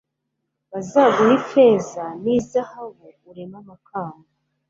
bazaguhe ifeza n izahabu ureme amakamba